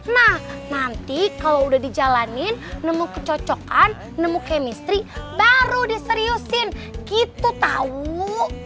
nah nanti kalau udah dijalanin nemu kecocokan nemu chemistry baru diseriusin gitu tau